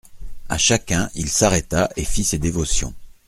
À chacun, il s'arrêta et fit ses dévotions.